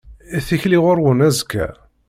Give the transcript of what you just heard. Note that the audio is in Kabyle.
Tikli ɣur-wen azekka.